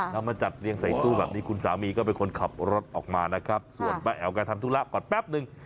มาจัดเรียงใส่ตู้แบบนี้คุณสามีก็เป็นคนขับรถออกมานะครับส่วนป้าแอ๋วแกทำธุระก่อนแป๊บนึง